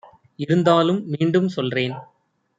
இருந்தாலும் மீண்டும் சொல்றேன்.